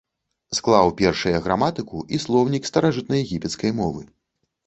Склаў першыя граматыку і слоўнік старажытнаегіпецкай мовы.